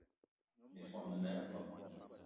Miss mo mene ebeng.